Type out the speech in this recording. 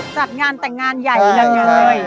จัดงานแต่งงานใหญ่อย่างเงินเลย